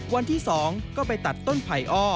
วันที่๒ก็ไปตัดต้นไผ่อ้อ